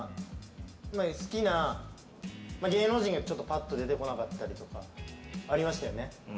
好きな芸能人がぱっと出てこなかったりとかありましたよね。